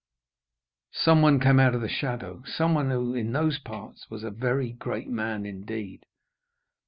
Someone came out of the shadow someone who, in those parts, was a very great man indeed.